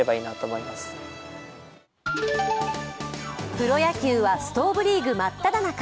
プロ野球はストーブリーグ真っただ中。